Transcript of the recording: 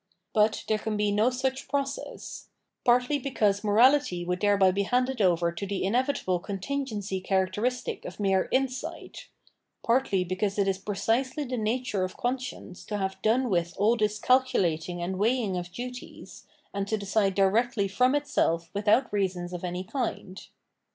But there can be no such process ; partly because morality would thereby be handed over to the inevitable contingency characteristic of mere " insight "; partly because it is precisely the nature of conscience to have done with aU this calculating and weighing of duties, and to decide directly from itself without reasons of any kind.